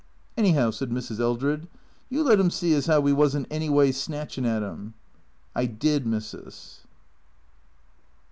" Anyhow," said Mrs. Eldred, " you let 'im see as 'ow we wasn't any way snatchin' at 'im?" " I did, missis."